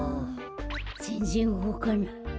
ぜんぜんうごかない。